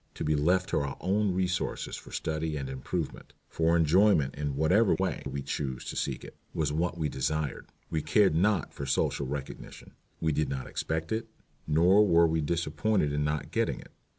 To be left to our own resources for study and improvement, for enjoyment in whatever way we chose to seek it, was what we desired. We cared not for social recognition. We did not expect it, nor were we disappointed in not getting it.